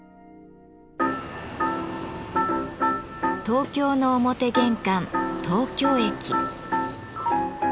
東京の表玄関東京駅。